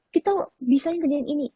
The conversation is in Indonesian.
kita bisa kerjain ini